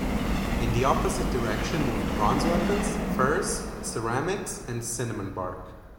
In the opposite direction moved bronze weapons, furs, ceramics, and cinnamon bark.